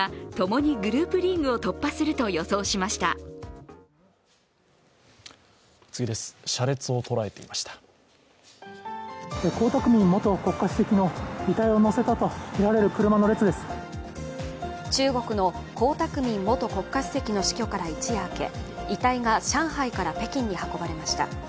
中国の江沢民元国家主席の死去から一夜明け遺体が上海から北京に運ばれました。